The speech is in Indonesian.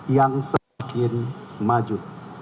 yang semakin maju